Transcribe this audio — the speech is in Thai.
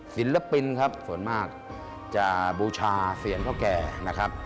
ศิลปินครับส่วนมากจะบูชาเสียงพ่อแก่นะครับ